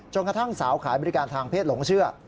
กระทั่งสาวขายบริการทางเพศหลงเชื่อ